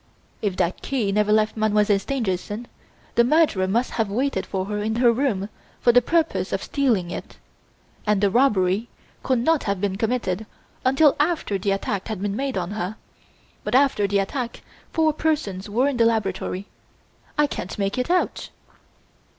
"If that key never left Mademoiselle Stangerson, the murderer must have waited for her in her room for the purpose of stealing it; and the robbery could not have been committed until after the attack had been made on her. But after the attack four persons were in the laboratory! I can't make it out!"